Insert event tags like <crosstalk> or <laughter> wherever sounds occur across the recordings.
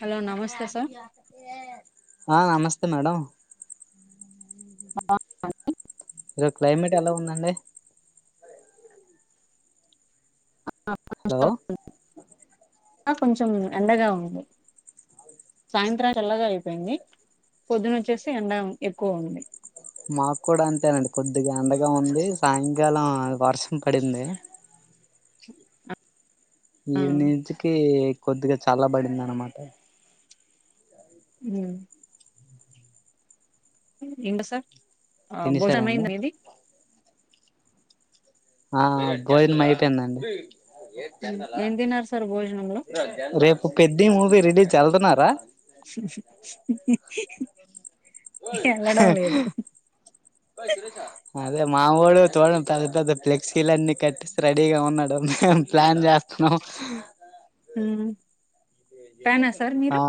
Hello మాటె నమస్తే అది సార్ ఆ నమస్తే మేడం ఈరో క్లైమేట్ ఎలా ఉందండి హలో ఆ కొంచెం ఎండగా ఉంది సాయిత్రం చల్లగా అయిపోయింది పొద్దున ఒచ్చేసి ఎండ ఎక్కువ ఉంది మాక్ కూడా అంతేనండి కొద్దిగా ఎండగా ఉంది సాయిన్కాలం వర్షం పడింది ఆ ఇవ్ నించికీ కొద్దిగా చాలా బడింది అన్మాట ఉ ఇంగ సార్ ఆ భోజనం తినేసారండి అయిందా ఇది ఆ భోజనం అయిపోయిందండి ఏం తిన్నారు సార్ భోజనంలో రేప్ ఒ పెద్ది మూవీ రిలీజ్ చేల్తున్నారా ఎళ్ళడం లేదు అదే మావోడు తోను పెద్ద పెద్ద ఫ్లెక్సీలన్ని కట్టి రెడీగా ఉన్నాడు మేము ప్లాన్ చేస్తున్నాం హమ్ ఆ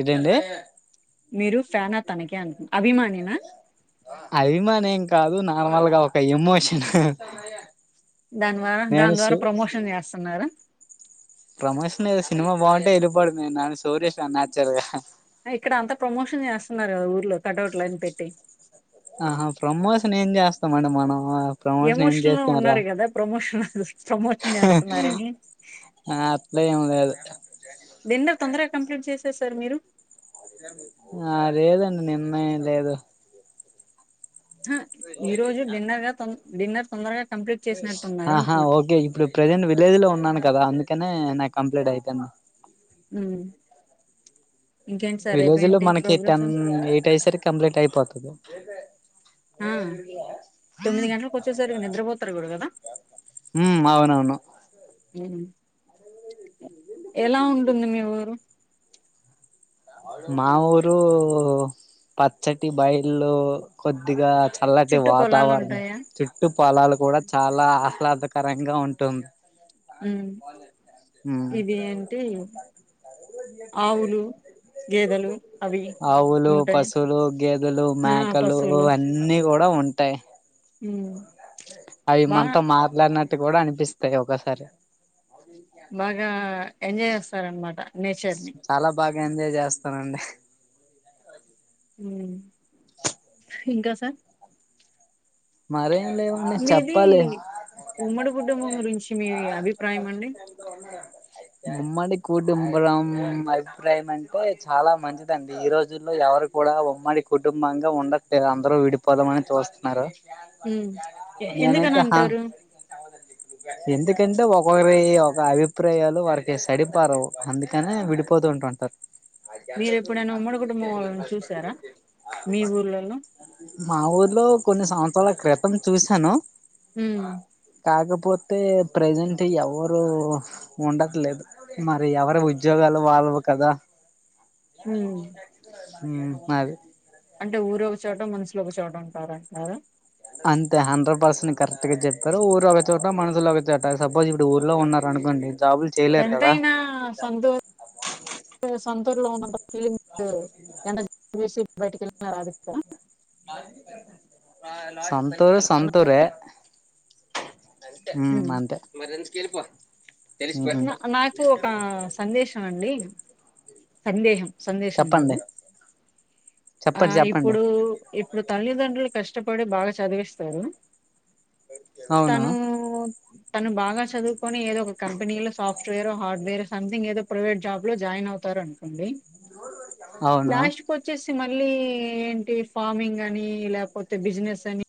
ఇదెండి మీరు ఫ్యానా తనకే అం అభిమానెనా అబిమానేం కాదు నార్మల్ గా ఒక ఎమోషన్ దాని ద్వారా నేను దాని ద్వారా సు ప్రమోషన్ చేస్తున్నారా ప్రమోషన్ లేదు సినిమా బావుంటే ఎలిపోవడమే నాను సోరేష్ న్యాచ్చుల్గా అ ఇక్కడ అంత ప్రమోషన్ చేస్తున్నారు ఊర్లో కట్ అవుట్లు పెట్టి ఆహా ప్రమోషన్ ఏం చేస్తామండి మనము ఎమోషన్ లో ఉన్నారు కదా ప్రమోషన్ ప్రమోషన్ చేస్తున్నారని ఆ అట్లే ఏం లేదు డిన్నర్ తొందరగా కంప్లీట్ చేసేసారు మీరు ఆ లేదండి నిన్న ఎం లేదు ఈ రోజు డిన్నర్ గా తొన్ డిన్నర్ తొందరగా కంప్లీట్ చేసినట్టున్నారు ఆహా అంటున్నా. ఓకే ఇప్పుడు ప్రెజెంట్ విలేజ్ లో ఉన్నాను కదా అందుకనే నాకు కంప్లీట్ అయితున్న ఉమ్ విలేజ్ లో మనకి టెన్ ఎయిట్ అయిసరి కి కంప్లీట్ అయిపోతాది ఆ! గంటలకొచ్చేసరికి నిద్రపోతారు గూడా గదా! <unintelligible> హమ్ అవునవును ఎలా ఉంటుంది మీ ఊరు మా ఊరు పచ్చటి బాయిళు కొద్దిగా చల్లటి చుట్టూ వాతావరణం పొలాలుంటాయా? చుట్టు పొలాలు కూడా చాలా ఆహ్లాదకరంగా ఉంటుంది ఉమ్ ఇది ఏంటి ఆవులు గేదెలు అవి ఆవులు ఉంటాయి. పశులు గేదెలు ఆ! మేకలు పశువులు. అన్నీ కూడా ఉం టాయి హమ్ అయి మనతో మాట్లాడినట్టు కూడా అనిపిస్తాయి ఒక్కోకసారి బాగా ఎంజాయ్ చేస్తారనమాట నేచర్ ని చాలా బాగా ఎంజాయ్ చేస్తానండి హమ్ ఇంకా మరేం లేవు మీది ఉమ్మడి కుటుంబం గురించి మీవి అభిప్రాయం అండి <inaudible> ఉమ్మడి కుటుంబ్రం అభిప్రాయం అంటే చాలా మంచిదండి ఈ రోజుల్లో ఎవరు కూడా ఉమ్మడి కుటుంబంగా ఉండట్లేదు అందరూ విడిపోదామని చూస్తున్నారు హ్మ్. ఎ ఎందుకని నేనైతే హా అంటారు ఎందుకంటే ఓకక్రి ఒక అభిప్రాయాలు వారికి సడిపరవు అందుకనే విడిపో పోతుంట ఉంటారు మీరు ఎప్పుడైనా ఉమ్మడి కుటుంబం వాళ్ళని చూసారా మీ ఊర్లలో <unintelligible> మా ఊర్లో కొన్ని సంవత్సరాల క్రితం చూశాను హమ్ కాకపోతే ప్రజెంట్ ఎవరు ఉండట్లేదు మరి ఎవరి ఉద్యోగాలు వాళ్ళవి కదా హ్మ్. హమ్ మా అంటే ఊరు ఒకచోట మనుషులు ఒకచోట ఉంటారంటార అంతే హండ్రెడ్ పర్సెంట్ కరెక్ట్ గా చెప్పారు ఊరు ఒక చోట మనుషులు ఒక చోట సపోస్ ఇప్పుడు ఊర్లో ఉన్నారు కనుకోండి జాబుల్ ఎంతైనా సొంతూర్ సొంతూరు లొ ఉన్నంత ఫీలింగు లేదు <unintelligible> సొంతూర్ సొంతూరే హ్మ్. మ్ అంతే మరెందుకు వెళ్ళిపో నా నాకు ఒక సందేశమండి సందేహం సందేశం కాదు చెప్పండి ఆ చెప్పండి చెప్పండి ఇప్పుడు ఇప్పుడు తల్లిదండ్రులు కష్టపడి బాగా చదివిస్తారు అవును తను తను బాగా చదువుకొని ఏదో ఒక కంపినీలో సాఫ్ సాఫ్ట్వేరో హార్డవేరో సంథింగ్ ఏదో ప్రైవేట్ జాబ్ లో జాయినవుతారు అనుకోండి అవును లాస్ట్ వొచ్చేసి మళ్ళీ ఏంటి ఫార్మింగ్ అని లేపోతే బిజినెస్ అని